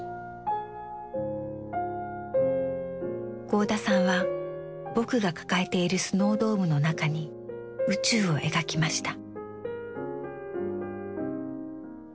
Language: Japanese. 合田さんは「ぼく」が抱えているスノードームの中に宇宙を描きました。